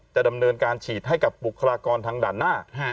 จะดำเนินการฉีดให้กับบุคลากรทางด่านหน้า